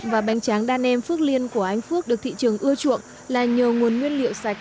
và bánh tráng đan em phước liên của anh phước được thị trường ưa chuộng là nhờ nguồn nguyên liệu sạch